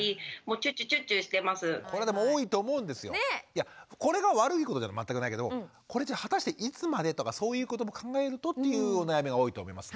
いやこれが悪いことじゃ全くないけどこれじゃあ果たしていつまでとかそういうことも考えるとっていうお悩みが多いと思います。